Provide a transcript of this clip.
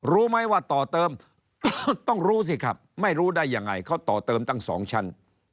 รู้ไหมว่าต่อเติมต้องรู้สิครับไม่รู้ได้ยังไงเขาต่อเติมตั้ง๒ชั้น